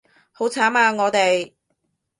好慘啊我哋